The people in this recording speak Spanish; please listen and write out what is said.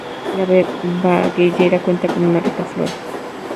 La Vegallera cuenta con una rica flora.